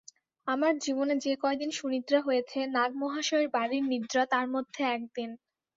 আমার জীবনে যে-কয় দিন সুনিদ্রা হয়েছে, নাগ-মহাশয়ের বাড়ীর নিদ্রা তার মধ্যে একদিন।